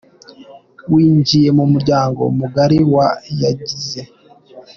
winjiye mu muryango mugari wa Yagize.